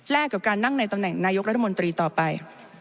และกับการนั่งในตำแหน่งนายกรัฐมนตรีต่อไป